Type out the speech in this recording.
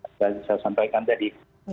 saya sampaikan tadi